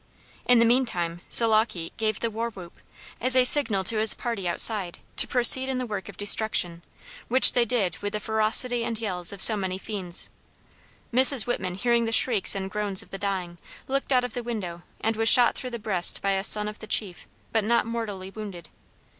In the meantime Sil aw kite gave the war whoop, as a signal to his party outside, to proceed in the work of destruction, which they did with the ferocity and yells of so many fiends. Mrs. Whitman, hearing the shrieks and groans of the dying, looked out of the window and was shot through the breast by a son of the chief, but not mortally wounded.